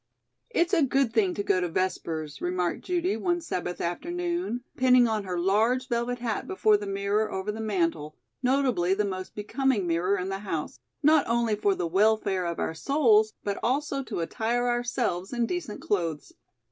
"It's a good thing to go to Vespers," remarked Judy one Sabbath afternoon, pinning on her large velvet hat before the mirror over the mantel, notably the most becoming mirror in the house, "not only for the welfare of our souls, but also to attire ourselves in decent clothes."